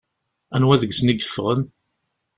Anwa deg-sen i yeffɣen?